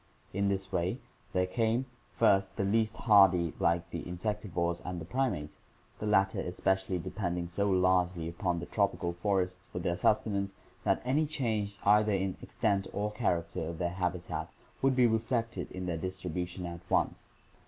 In this way there came, first, the least hardy like the insectivores and primates, the latter especially depending so largely upon the tropical forests for their sustenance that any change either in extent or char acter of their habitat would be reflected in their distribution at once.